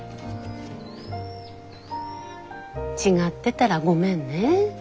違ってたらごめんね。